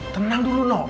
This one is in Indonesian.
tenang dulu no